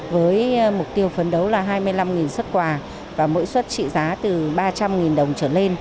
với mục tiêu phấn đấu là hai mươi năm xuất quà và mỗi xuất trị giá từ ba trăm linh đồng trở lên